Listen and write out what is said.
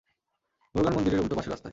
মুরুগান মন্দিরের উল্টো পাশের রাস্তায়।